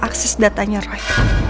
akses datanya roy